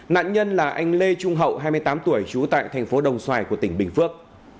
nạn nhân là anh lê trung hậu hai mươi tám tuổi trú tại thành phố đồng xoài của tỉnh bình phước